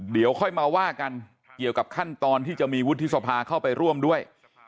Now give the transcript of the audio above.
เดี๋ยวค่อยมาว่ากันเกี่ยวกับขั้นตอนที่จะมีวุฒิสภาเข้าไปร่วมด้วย